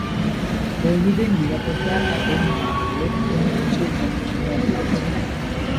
কর্মীদের নিরাপত্তা এবং ভালো কোনো কিছুর জন্য নিয়ম রয়েছে।